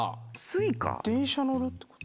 電車乗るってこと？